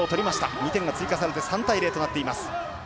２点が追加されて３対０となっています。